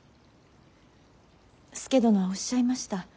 佐殿はおっしゃいました。